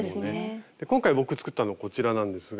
今回僕作ったのこちらなんですが。